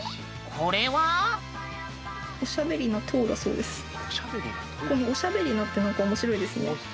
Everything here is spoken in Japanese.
この「おしゃべりな」って何か面白いですね。